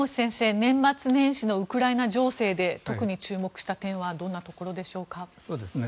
年末年始のウクライナ情勢で特に注目した点はどんなところでしょうか。